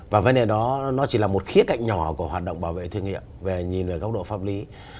và vấn đề đó nó chỉ là một khía cạnh nhỏ của hoạt động bảo vệ thương hiệu và nhìn ở góc độ pháp lý